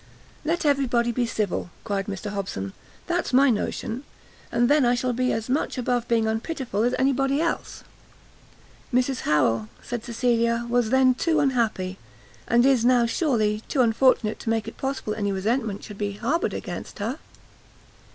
"Let everybody be civil!" cried Mr Hobson, "that's my notion; and then I shall be as much above being unpitiful as anybody else." "Mrs Harrel," said Cecilia, "was then too unhappy, and is now, surely, too unfortunate, to make it possible any resentment should be harboured against her."